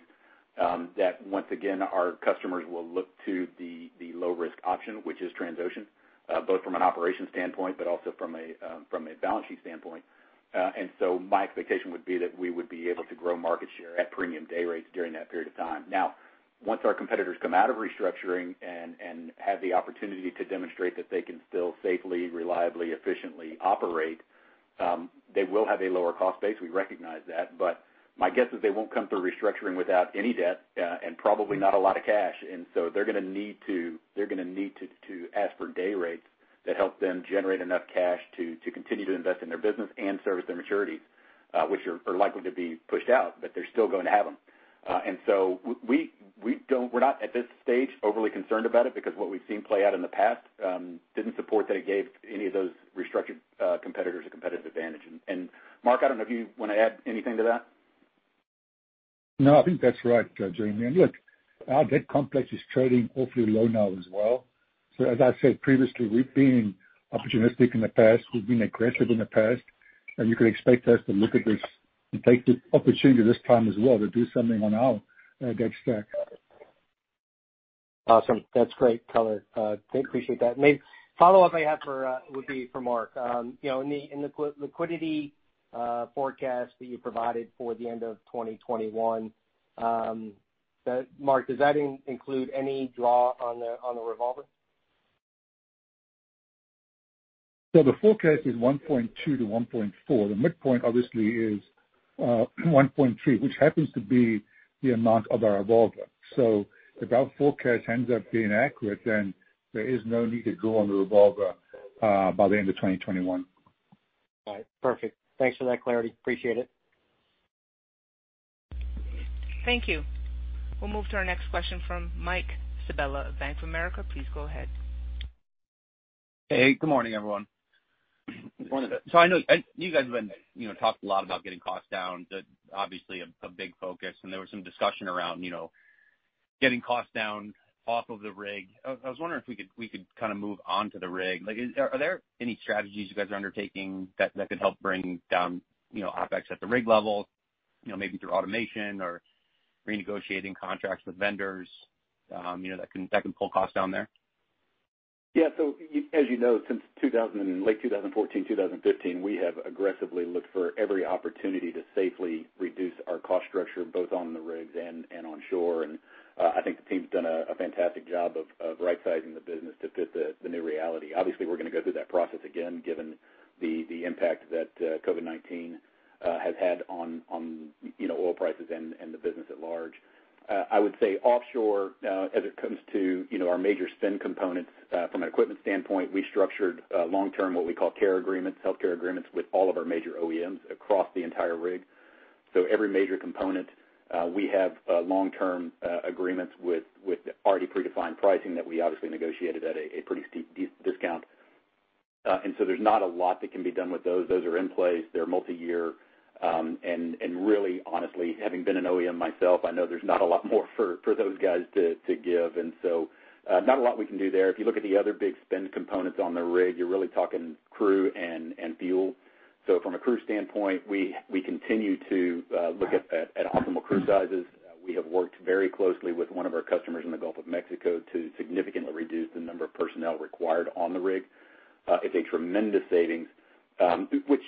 that once again, our customers will look to the low-risk option, which is Transocean, both from an operation standpoint, but also from a balance sheet standpoint. My expectation would be that we would be able to grow market share at premium day rates during that period of time. Once our competitors come out of restructuring and have the opportunity to demonstrate that they can still safely, reliably, efficiently operate, they will have a lower cost base. We recognize that. My guess is they won't come through restructuring without any debt and probably not a lot of cash. They're going to need to ask for day rates that help them generate enough cash to continue to invest in their business and service their maturities, which are likely to be pushed out, but they're still going to have them. We're not, at this stage, overly concerned about it because what we've seen play out in the past didn't support that it gave any of those restructured competitors a competitive advantage. Mark, I don't know if you want to add anything to that. No, I think that's right, Jeremy. Look, our debt complex is trading awfully low now as well. As I said previously, we've been opportunistic in the past. We've been aggressive in the past. You can expect us to look at this and take the opportunity this time as well to do something on our debt stack. Awesome. That's great color. I appreciate that. Main follow-up I have would be for Mark. In the liquidity forecast that you provided for the end of 2021, Mark, does that include any draw on the revolver? The forecast is $1.2 billion-$1.4 billion. The midpoint obviously is $1.3 billion, which happens to be the amount of our revolver. If our forecast ends up being accurate, then there is no need to draw on the revolver by the end of 2021. All right, perfect. Thanks for that clarity. Appreciate it. Thank you. We'll move to our next question from Mike Sabella of Bank of America. Please go ahead. Hey, good morning, everyone. Morning. I know you guys have talked a lot about getting costs down, obviously a big focus, and there was some discussion around getting costs down off of the rig. I was wondering if we could kind of move onto the rig. Are there any strategies you guys are undertaking that could help bring down OpEx at the rig level, maybe through automation or renegotiating contracts with vendors that can pull costs down there? Yeah. As you know, since late 2014, 2015, we have aggressively looked for every opportunity to safely reduce our cost structure, both on the rigs and onshore. I think the team's done a fantastic job of rightsizing the business to fit the new reality. Obviously, we're going to go through that process again, given the impact that COVID-19 has had on oil prices and the business at large. I would say offshore, as it comes to our major spend components from an equipment standpoint, we structured long-term what we call care agreements, healthcare agreements, with all of our major OEMs across the entire rig. Every major component, we have long-term agreements with already predefined pricing that we obviously negotiated at a pretty steep discount. There's not a lot that can be done with those. Those are in place, they're multi-year, and really, honestly, having been an OEM myself, I know there's not a lot more for those guys to give. Not a lot we can do there. If you look at the other big spend components on the rig, you're really talking crew and fuel. From a crew standpoint, we continue to look at optimal crew sizes. We have worked very closely with one of our customers in the Gulf of Mexico to significantly reduce the number of personnel required on the rig. It's a tremendous savings, which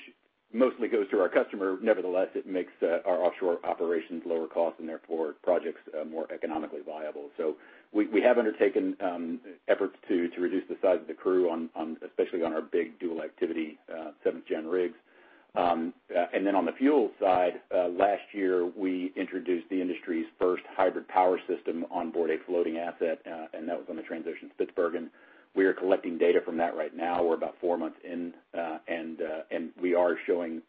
mostly goes to our customer. Nevertheless, it makes our offshore operations lower cost and therefore projects more economically viable. We have undertaken efforts to reduce the size of the crew, especially on our big dual activity seventh-gen rigs. On the fuel side, last year, we introduced the industry's first hybrid power system on board a floating asset, and that was on the Transocean Spitsbergen. We are collecting data from that right now. We're about four months in, and we are showing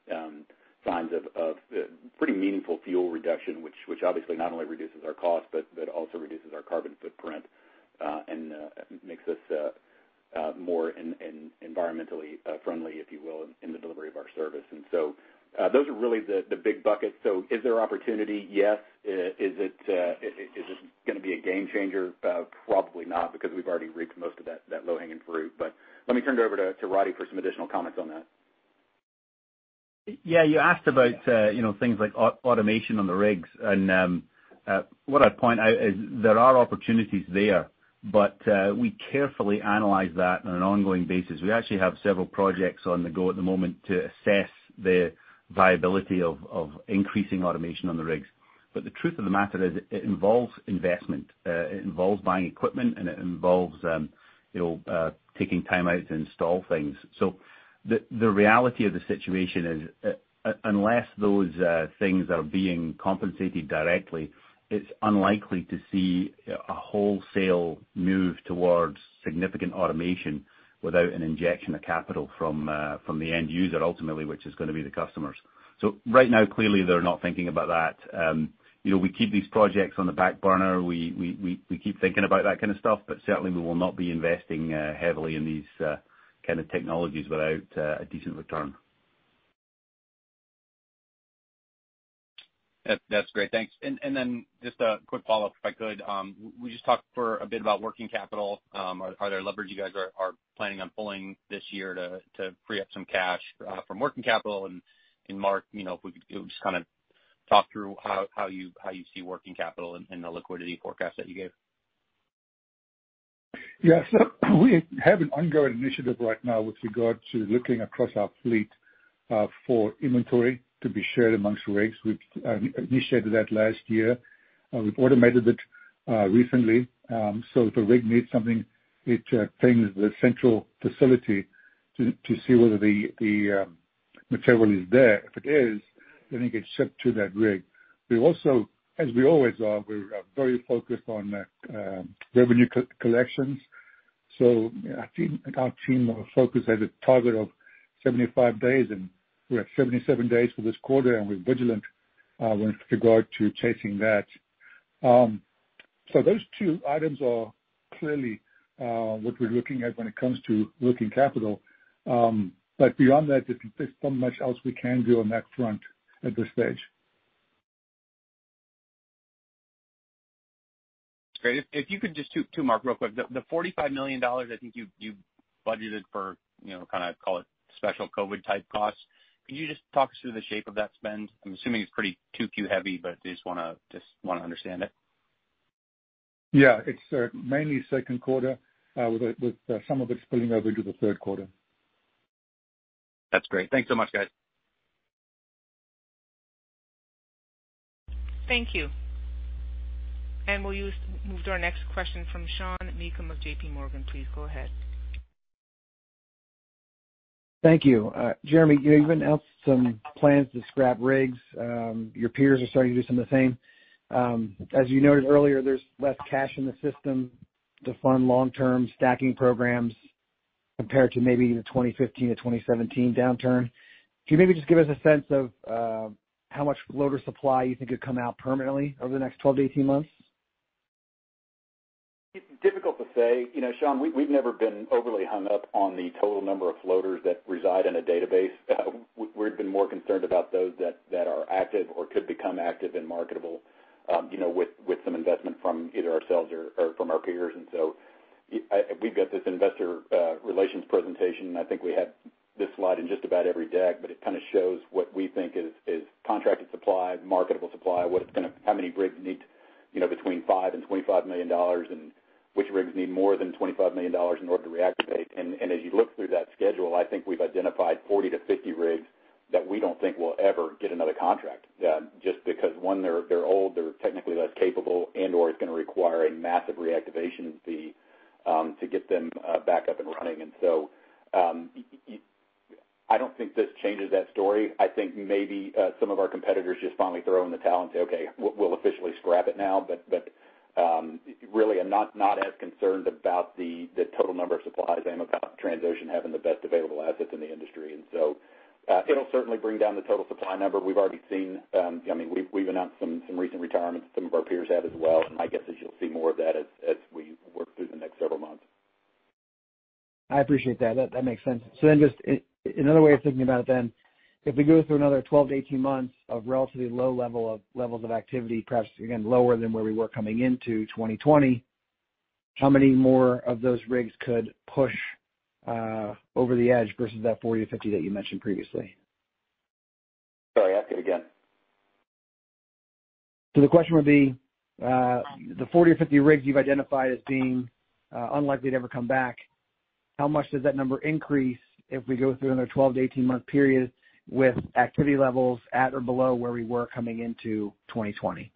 signs of pretty meaningful fuel reduction, which obviously not only reduces our cost but also reduces our carbon footprint, and makes us more environmentally friendly, if you will, in the delivery of our service. Those are really the big buckets. Is there opportunity? Yes. Is this gonna be a game changer? Probably not, because we've already reaped most of that low-hanging fruit. Let me turn it over to Roddie for some additional comments on that. Yeah, you asked about things like automation on the rigs. What I'd point out is there are opportunities there, but we carefully analyze that on an ongoing basis. We actually have several projects on the go at the moment to assess the viability of increasing automation on the rigs. The truth of the matter is, it involves investment. It involves buying equipment, and it involves taking time out to install things. The reality of the situation is, unless those things are being compensated directly, it's unlikely to see a wholesale move towards significant automation without an injection of capital from the end user, ultimately, which is gonna be the customers. Right now, clearly, they're not thinking about that. We keep these projects on the back burner. We keep thinking about that kind of stuff. Certainly we will not be investing heavily in these kind of technologies without a decent return. That's great. Thanks. Just a quick follow-up, if I could. We just talked for a bit about working capital. Are there levers you guys are planning on pulling this year to free up some cash from working capital? Mark, if we could just kind of talk through how you see working capital in the liquidity forecast that you gave. We have an ongoing initiative right now with regard to looking across our fleet for inventory to be shared amongst rigs. We initiated that last year. We've automated it recently. If a rig needs something, it pings the central facility to see whether the material is there. If it is, it gets sent to that rig. We also, as we always are, we are very focused on revenue collections. Our team focus has a target of 75 days, and we're at 77 days for this quarter, and we're vigilant with regard to chasing that. Those two items are clearly what we're looking at when it comes to working capital. Beyond that, there's not much else we can do on that front at this stage. Great. If you could just, too, Mark, real quick, the $45 million I think you budgeted for, call it special COVID-type costs, could you just talk us through the shape of that spend? I'm assuming it's pretty 2Q heavy, but I just want to understand it. Yeah. It's mainly second quarter, with some of it spilling over into the third quarter. That's great. Thanks so much, guys. Thank you. We'll move to our next question from Sean Meakim of JPMorgan. Please go ahead. Thank you. Jeremy, you announced some plans to scrap rigs. Your peers are starting to do some of the same. As you noted earlier, there's less cash in the system to fund long-term stacking programs compared to maybe the 2015-2017 downturn. Could you maybe just give us a sense of how much floater supply you think could come out permanently over the next 12-18 months? It's difficult to say. Sean, we've never been overly hung up on the total number of floaters that reside in a database. We've been more concerned about those that are active or could become active and marketable with some investment from either ourselves or from our peers. We've got this investor relations presentation, and I think we have this slide in just about every deck, but it kind of shows what we think is contracted supply, marketable supply, how many rigs need between $5 million-$25 million, and which rigs need more than $25 million in order to reactivate. As you look through that schedule, I think we've identified 40-50 rigs that we don't think will ever get another contract, just because, one, they're old, they're technically less capable and/or it's gonna require a massive reactivation fee to get them back up and running. I don't think this changes that story. I think maybe some of our competitors just finally throw in the towel and say, "Okay, we'll officially scrap it now." Really I'm not as concerned about the total number of supply as I am about Transocean having the best available assets in the industry. It'll certainly bring down the total supply number. We've already seen, we've announced some recent retirements. Some of our peers have as well. I guess as you'll see more of that as we work through the next several months. I appreciate that. That makes sense. Just another way of thinking about it then, if we go through another 12-18 months of relatively low levels of activity, perhaps again, lower than where we were coming into 2020, how many more of those rigs could push over the edge versus that 40-50 that you mentioned previously? Sorry, ask it again. The question would be, the 40 or 50 rigs you've identified as being unlikely to ever come back, how much does that number increase if we go through another 12-18 month period with activity levels at or below where we were coming into 2020?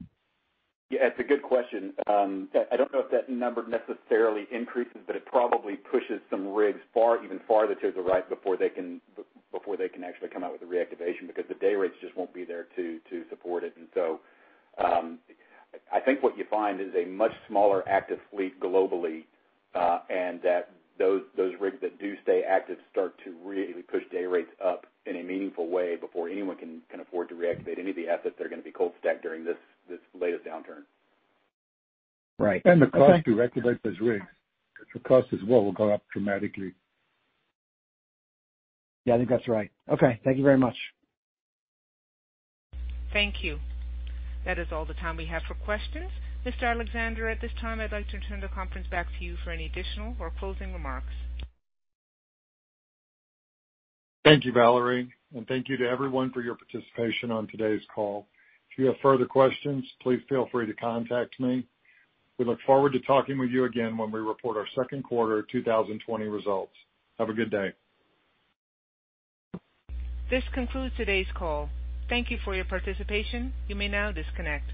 Yeah, it's a good question. I don't know if that number necessarily increases, but it probably pushes some rigs even farther to the right before they can actually come out with a reactivation because the day rates just won't be there to support it. I think what you find is a much smaller active fleet globally, and that those rigs that do stay active start to really push day rates up in a meaningful way before anyone can afford to reactivate any of the assets that are gonna be cold stacked during this latest downturn. Right. The cost to reactivate those rigs, the cost as well will go up dramatically. Yeah, I think that's right. Okay, thank you very much. Thank you. That is all the time we have for questions. Mr. Alexander, at this time, I'd like to turn the conference back to you for any additional or closing remarks. Thank you, Valerie, and thank you to everyone for your participation on today's call. If you have further questions, please feel free to contact me. We look forward to talking with you again when we report our second quarter 2020 results. Have a good day. This concludes today's call. Thank you for your participation. You may now disconnect.